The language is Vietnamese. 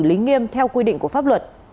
lý nghiêm theo quy định của pháp luật